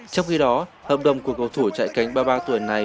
trong khi đó hợp đồng của cầu thủ chạy cánh ba mươi ba tuổi này